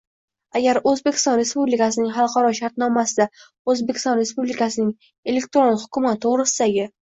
Agar O‘zbekiston Respublikasining xalqaro shartnomasida O‘zbekiston Respublikasining elektron hukumat to‘g‘risidagi